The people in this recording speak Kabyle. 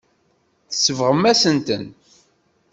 Tsebɣemt-asent-ten.